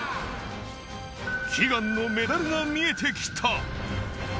悲願のメダルが見えてきた。